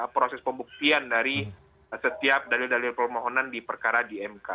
proses pembuktian dari setiap dalil dalil permohonan di perkara di mk